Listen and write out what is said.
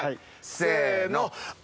せの。